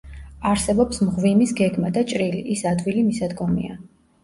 არსებობს მღვიმის გეგმა და ჭრილი, ის ადვილი მისადგომია.